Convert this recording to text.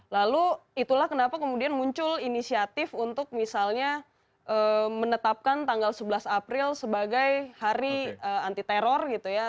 lalu itulah kenapa kemudian muncul inisiatif untuk misalnya menetapkan tanggal sebelas april sebagai hari antaranya